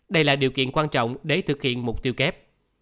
đây là điều kiện quan trọng để thực hiện mục tiêu kép